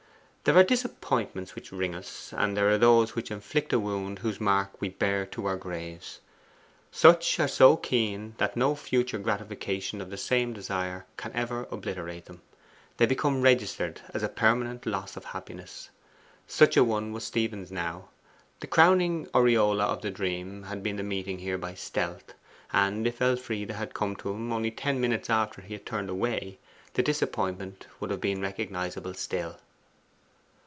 There are disappointments which wring us, and there are those which inflict a wound whose mark we bear to our graves. Such are so keen that no future gratification of the same desire can ever obliterate them: they become registered as a permanent loss of happiness. Such a one was Stephen's now: the crowning aureola of the dream had been the meeting here by stealth; and if Elfride had come to him only ten minutes after he had turned away, the disappointment would have been recognizable still.